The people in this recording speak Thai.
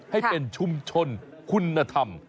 ให้เป็นชุมชนคุณธรรม